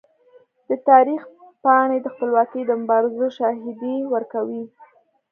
د تاریخ پاڼې د خپلواکۍ د مبارزو شاهدي ورکوي.